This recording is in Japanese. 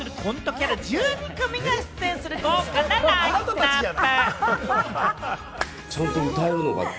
キャラ１２組が出演する豪華なラインナップ。